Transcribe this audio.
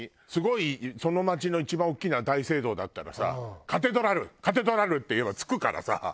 すごいその街の一番大きな大聖堂だったらさ「カテドラル！カテドラル！」って言えば着くからさ。